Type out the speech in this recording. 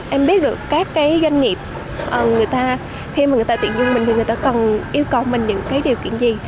em biết được các doanh nghiệp khi mà người ta tuyển dụng mình thì người ta còn yêu cầu mình những điều kiện gì